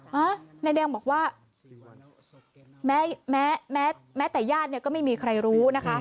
เห้อนายแดงบอกว่าแม้แต่ญาติก็ไม่มีใครรู้นะคะ